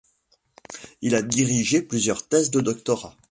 Il a dirigé plusieurs thèses de doctorat.